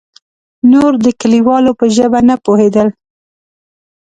نور د کليوالو په ژبه نه پوهېدل.